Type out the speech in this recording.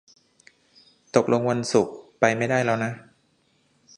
ตกลงวันศุกร์ไปไม่ได้แล้วนะ